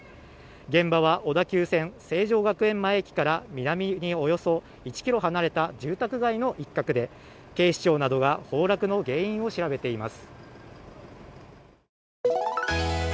現場は小田急線・成城学園前駅から南におよそ１ｋｍ離れた住宅街の一角で警視庁などが崩落の原因を調べています。